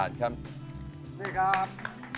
นี่ครับ